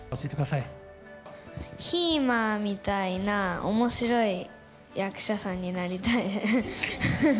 いまみたいな、おもしろい役者さんになりたいです。